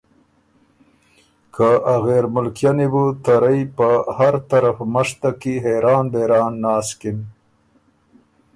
که ا غېرمُلکئني بُو تۀ رئ په هر طرف مشتک کی حېران بېران ناسکِن۔